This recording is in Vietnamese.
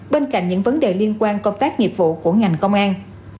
bên cạnh những vấn đề liên quan công tác nghiệp vụ của ngành công an